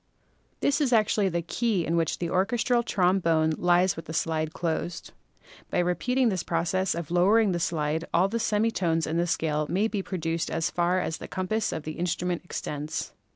This is actually the key in which the orches tral trombone lies with slide closed. By repeating this process of lowering the slide all the semi tones in the scale may be produced as far as the compass of the instrument extends.